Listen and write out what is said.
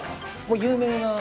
もう有名。